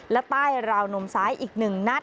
และใต้ราวนมซ้ายอีก๑นัด